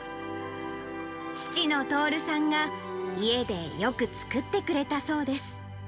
父の徹さんが家でよく作ってくれたそうです。